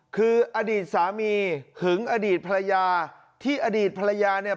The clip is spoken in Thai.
คืออดีตสามีหึงอดีตภรรยาที่อดีตภรรยาเนี่ย